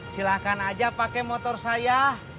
silahkan aja pakai motor saya